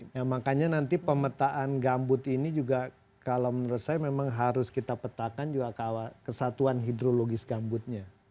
ya makanya nanti pemetaan gambut ini juga kalau menurut saya memang harus kita petakan juga kesatuan hidrologis gambutnya